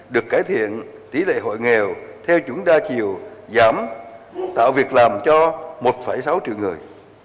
được cải thiện tỷ lệ hội nghèo theo chuẩn đa chiều giảm tạo việc làm cho một sáu triệu người